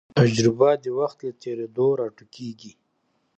تجربه د وخت له تېرېدو راټوکېږي.